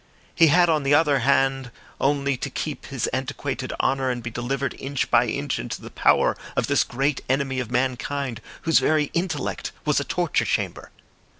He had, on the other hand, only to keep his antiquated honour, and be delivered inch by inch into the power of this great enemy of mankind, whose very intellect was a torture chamber.